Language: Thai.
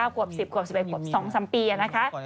ขวบ๑๐ขวบ๑๑ขวบ๒๓ปีนะคะ